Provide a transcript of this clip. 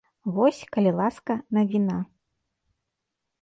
Вось, калі ласка, навіна.